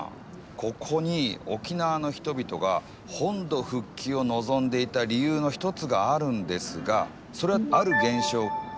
ここに沖縄の人々が本土復帰を望んでいた理由のひとつがあるんですがそれはある現象